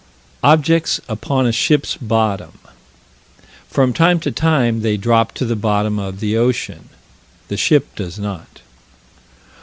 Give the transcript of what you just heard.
Objects upon a ship's bottom. From time to time they drop to the bottom of the ocean. The ship does not.